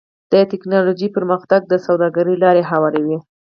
د ټکنالوجۍ پرمختګ د سوداګرۍ لاره هواروي.